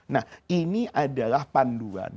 nah ini adalah panduan